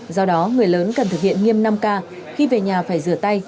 do đó người lớn cần thực hiện nghiêm năm k khi về nhà phải rửa tay